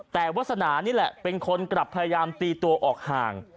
แต่วาสนานี่แหละเป็นคนกลับพยายามตีตัวออกห่าง